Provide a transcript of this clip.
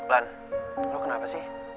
lan lo kenapa sih